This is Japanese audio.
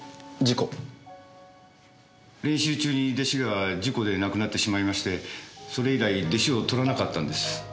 練習中に弟子が事故で亡くなってしまいましてそれ以来弟子をとらなかったんです。